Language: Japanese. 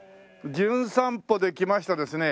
『じゅん散歩』で来ましたですね